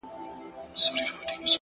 هوښیار انسان له احساساتو توازن جوړوي.